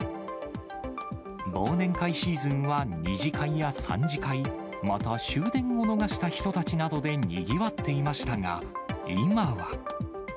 忘年会シーズンは２次会や３次会、また、終電を逃した人たちなどでにぎわっていましたが、今は。